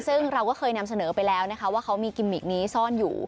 ซึ่งเราก็เคยนำเสนอไปแล้วนะคะว่าเขามีกิมมิกนี้ซ่อนอยู่